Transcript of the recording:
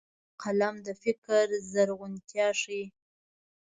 قلم د فکر زرغونتيا ښيي